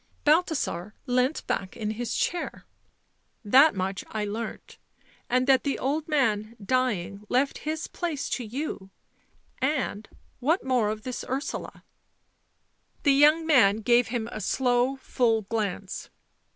Balthasar leant back in his chair. " That much I learnt. And that the old man, dying, left his place to you, and — what more of this Ursula?" The young man gave him a slow, full glance.